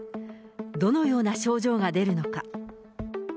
どのような症状が出るのか。